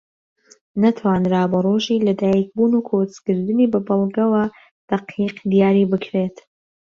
نەتوانراوە ڕۆژی لە دایک بوون و کۆچکردنی بە بەڵگەوە دەقیق دیاری بکرێت